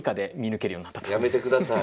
やめてください。